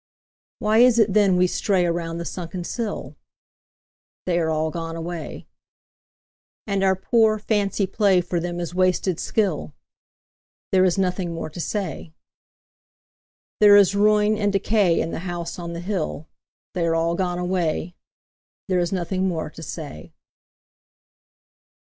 Why is it then we stray Around the sunken sill? They are all gone away. And our poor fancy play For them is wasted skill: There is nothing more to say. There is ruin and decay In the House on the Hill They are all gone away, There is nothing more to say.